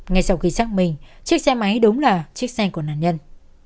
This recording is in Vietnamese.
ngay sau khi xác minh chiếc xe máy đúng là chiếc xe của nạn nhân